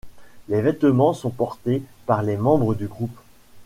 Les vêtements sont portés par les membres du groupe.